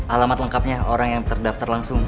alamat lengkapnya orang yang terdaftar langsung